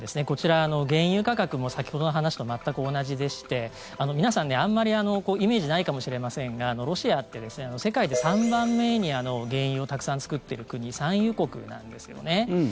こちら、原油価格も先ほどの話と全く同じでして皆さん、あまりイメージないかもしれませんがロシアって世界で３番目に原油をたくさん作ってる国産油国なんですよね。